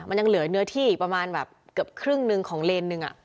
มันยังเหลือเนื้อที่อีกประมาณแบบเกือบครึ่งหนึ่งของเลนหนึ่ง